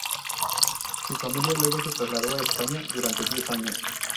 Su familia luego se trasladó a España durante diez años.